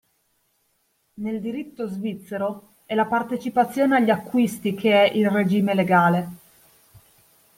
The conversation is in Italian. Nel diritto svizzero è la partecipazione agli acquisti che è il regime legale.